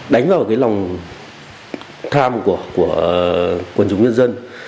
đánh vào cái lòng tham của quần chúng nhân dân